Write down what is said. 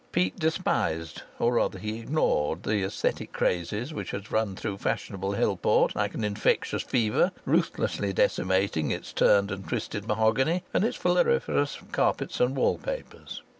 Peake despised, or rather he ignored, the aesthetic crazes which had run through fashionable Hillport like an infectious fever, ruthlessly decimating its turned and twisted mahogany and its floriferous carpets and wall papers.